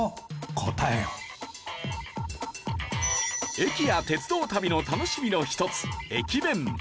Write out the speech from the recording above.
駅や鉄道旅の楽しみの一つ駅弁。